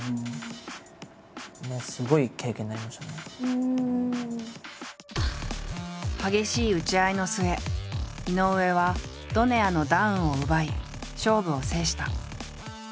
自分の中で激しい打ち合いの末井上はドネアのダウンを奪い勝負を制した。